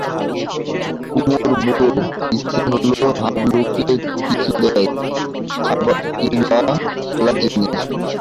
কুমুর বড়ো ইচ্ছে হল হাবলুকে কিছু দেয়, খাবার কিম্বা খেলার জিনিস।